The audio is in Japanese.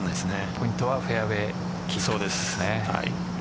ポイントはフェアウェーですね。